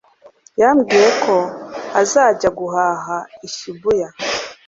Yambwiye ko azajya guhaha i Shibuya